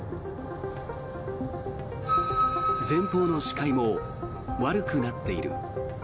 前方の視界も悪くなっている。